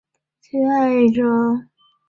鲫鱼藤是夹竹桃科鲫鱼藤属的植物。